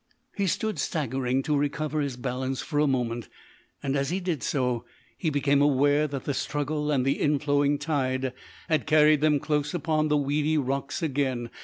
He stood staggering to recover his balance for a moment, and as he did so, he became aware that the struggle and the inflowing tide had carried them close upon the weedy rocks again.